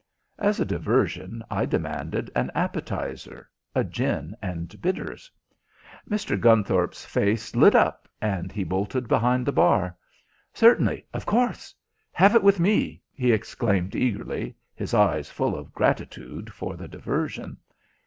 As a diversion I demanded an appetizer a gin and bitters. Mr. Gunthorpe's face lit up and he bolted behind the bar. "Certainly, of course. Have it with me!" he exclaimed eagerly, his eyes full of gratitude for the diversion.